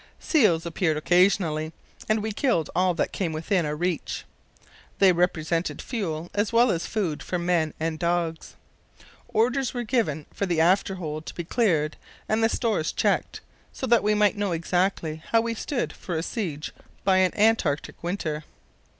Seals appeared occasionally, and we killed all that came within our reach. They represented fuel as well as food for men and dogs. Orders were given for the after hold to be cleared and the stores checked, so that we might know exactly how we stood for a siege by an Antarctic winter.